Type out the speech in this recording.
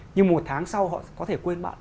nhưng một tháng sau họ có thể quên bạn